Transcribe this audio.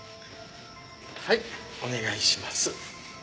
はいお願いします。